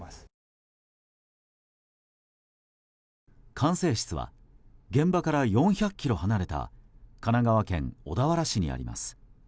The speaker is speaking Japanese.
管制室は現場から４００ｋｍ離れた神奈川県小田原市にあります。